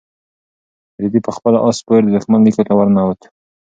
رېدي په خپل اس سپور د دښمن لیکو ته ورننوت.